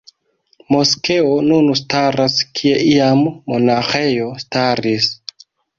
Moskeo nun staras kie iam monaĥejo staris.